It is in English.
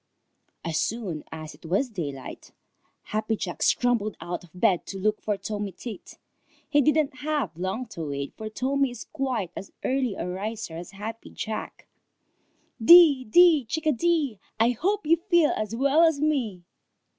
As soon as it was daylight, Happy Jack scrambled out of bed to look for Tommy Tit. He didn't have long to wait, for Tommy is quite as early a riser as Happy Jack. "Dee, dee, chickadee! I hope you feel as well as me!"